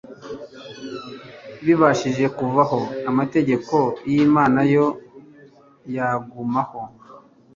Bibashije kuvaho, amategeko y'Imana yo yagumaho.